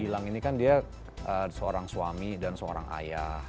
gilang ini kan dia seorang suami dan seorang ayah